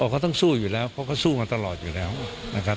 เขาต้องสู้อยู่แล้วเพราะเขาสู้มาตลอดอยู่แล้วนะครับ